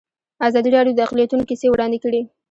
ازادي راډیو د اقلیتونه کیسې وړاندې کړي.